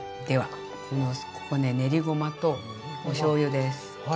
ではここね練りごまとおしょうゆです。